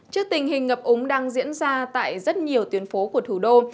trước tình hình ngập úng đang diễn ra tại rất nhiều tuyến phố của thủ đô